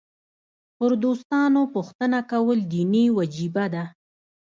پر دوستانو پوښتنه کول دیني وجیبه ده.